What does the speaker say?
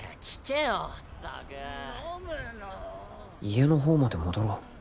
家の方まで戻ろう。